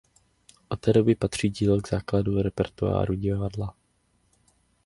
Od té doby patří dílo k základu repertoáru divadla.